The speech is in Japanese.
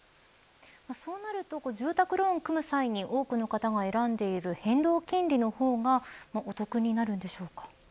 そうなると住宅ローンを組む際に、多くの方が選んでいる変動金利の方がお得になるんでしょうか。